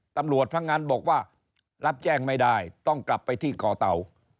พนักงานบอกว่ารับแจ้งไม่ได้ต้องกลับไปที่ก่อเตา